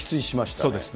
そうですね。